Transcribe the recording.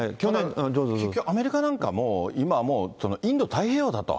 結局、アメリカなんかも、今はもう、インド太平洋だと。